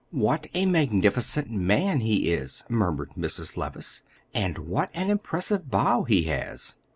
"What a magnificent man he is," murmured Mrs. Levice, "and what an impressive bow he has!"